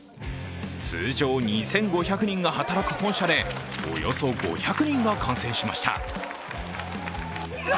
通常２５００人が働く本社でおよそ５００人が観戦しました。